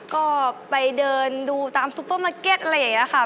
ก็ไปเดินดูตามซุปเปอร์มาร์เก็ตอะไรอย่างนี้ค่ะ